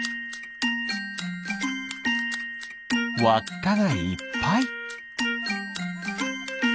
わっかがいっぱい。